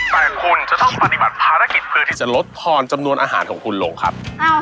แต่คุณจะต้องปฏิบัติภารกิจเพื่อที่จะลดทอนจำนวนอาหารของคุณลงครับ